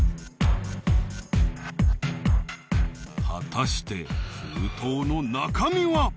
果たして封筒の中身は？